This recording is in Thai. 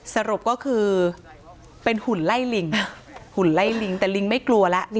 สรุปก็คือเป็นหุ่นไล่ลิงหุ่นไล่ลิงแต่ลิงไม่กลัวแล้ว